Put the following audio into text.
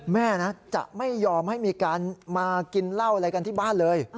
แม่นะจะไม่ยอมให้มีการมากินเหล้าอะไรกันที่บ้านเลย